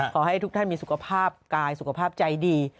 ขอให้ทุกท่านมีสุขภาพกายสุขภาพใจดี